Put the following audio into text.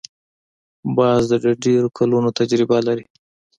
باز د ډېرو کلونو تجربه لري